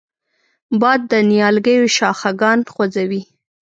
باد د نیالګیو شاخهګان خوځوي